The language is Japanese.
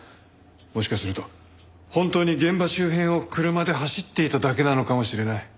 もしかすると本当に現場周辺を車で走っていただけなのかもしれない。